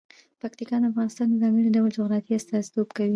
پکتیکا د افغانستان د ځانګړي ډول جغرافیه استازیتوب کوي.